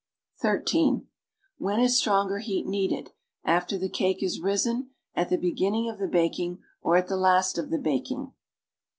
(13) When is stronger heat needed: after the cake is risen, at the beginning of the baking, or at the last of the baking?